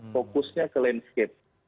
fokusnya ke landscape